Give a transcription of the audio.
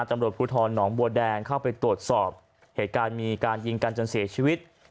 ตำรวจภูทรหนองบัวแดงเข้าไปตรวจสอบเหตุการณ์มีการยิงกันจนเสียชีวิต